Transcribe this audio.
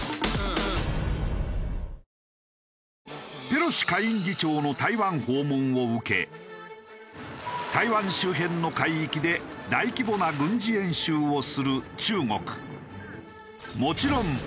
ペロシ下院議長の台湾訪問を受け台湾周辺の海域で大規模な軍事演習をする中国。